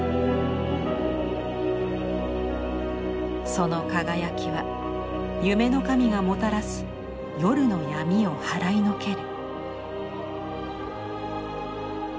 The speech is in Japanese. その輝きは夢の神がもたらす夜の闇を払いのける。